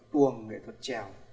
tuồng nghệ thuật trèo